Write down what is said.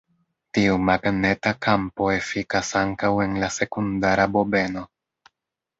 Tiu magneta kampo efikas ankaŭ en la sekundara bobeno.